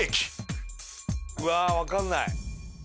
うわーわかんない！